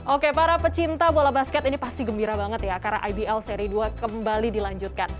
oke para pecinta bola basket ini pasti gembira banget ya karena ibl seri dua kembali dilanjutkan